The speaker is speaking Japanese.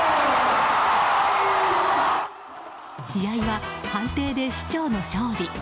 試合は判定で市長の勝利。